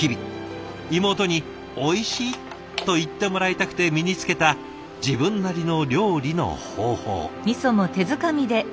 妹に「おいしい」と言ってもらいたくて身につけた自分なりの料理の方法。